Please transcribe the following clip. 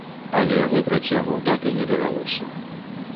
Але выбраць яму так і не давялося.